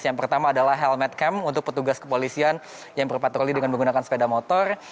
yang pertama adalah helmet camp untuk petugas kepolisian yang berpatroli dengan menggunakan sepeda motor